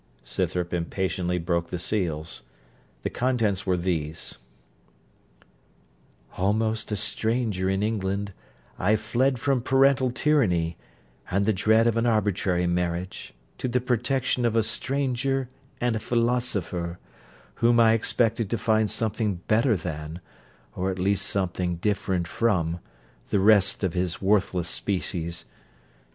Scythrop impatiently broke the seals. The contents were these: Almost a stranger in England, I fled from parental tyranny, and the dread of an arbitrary marriage, to the protection of a stranger and a philosopher, whom I expected to find something better than, or at least something different from, the rest of his worthless species.